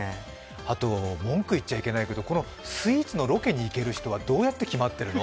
あと文句言っちゃいけないけど、このスイーツのロケ行ける人はどうやって決まってるの？